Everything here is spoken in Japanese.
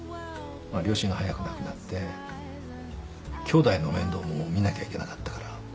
まあ両親が早く亡くなってきょうだいの面倒も見なきゃいけなかったから。